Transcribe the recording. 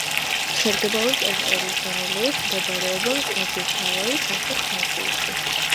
შედგება ორი ტერიტორიისგან, რომლებიც მდებარეობენ კუნძულ სავაის სამხრეთ ნაწილში.